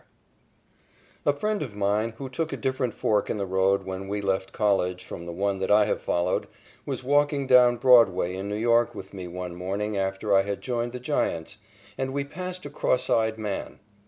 _ A friend of mine, who took a different fork in the road when we left college from the one that I have followed, was walking down Broadway in New York with me one morning after I had joined the Giants, and we passed a cross eyed man.